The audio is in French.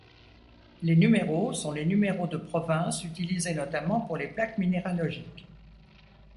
Les numéros sont les numéros de province utilisées notamment pour les plaques minéralogiques.